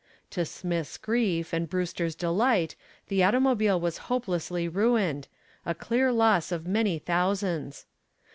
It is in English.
To Smith's grief and Brewster's delight the automobile was hopelessly ruined, a clear loss of many thousands.